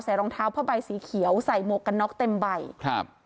รองเท้าผ้าใบสีเขียวใส่หมวกกันน็อกเต็มใบครับ